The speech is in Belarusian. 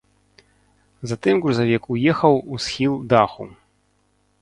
Затым грузавік уехаў у схіл даху.